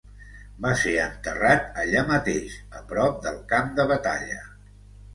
Va ser enterrat allà mateix, a prop del camp de batalla.